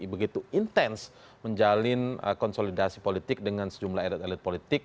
begitu intens menjalin konsolidasi politik dengan sejumlah elit elit politik